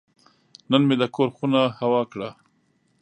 نن مې د کور خونه هوا کړه.